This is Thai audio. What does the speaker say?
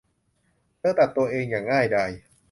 เธอตัดตัวเองอย่างง่ายดาย